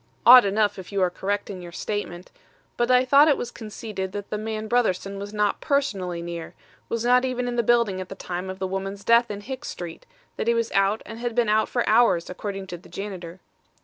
"Odd enough if you are correct in your statement. But I thought it was conceded that the man Brotherson was not personally near, was not even in the building at the time of the woman's death in Hicks Street; that he was out and had been out for hours, according to the janitor."